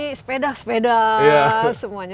ini sepeda sepeda semuanya